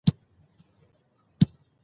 باران کروندو ته ګټه رسوي.